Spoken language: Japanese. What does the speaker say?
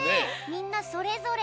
みんなそれぞれ。